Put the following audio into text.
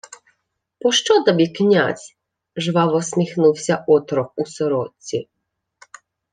— Пощо тобі князь? — жваво всміхнувся отрок у сорочці.